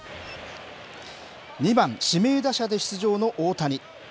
２番指名打者で出場の大谷。